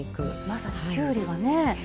まさにきゅうりがね